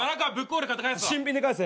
新品で返せ。